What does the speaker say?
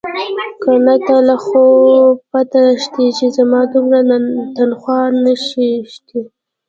که نه تا له خو پته شتې چې زما دومره تنخواه نيشتې.